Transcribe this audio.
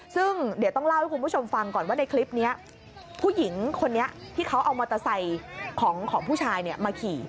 ซึ่งเดี๋ยวต้องเล่าให้คุณผู้ชมฟังก่อนว่าในคลิปนี้ผู้หญิงคนนี้ที่เขาเอามอเตอร์ไซค์ของผู้ชายมาขี่